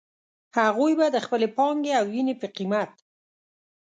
هغوی به د خپلې پانګې او وينې په قيمت.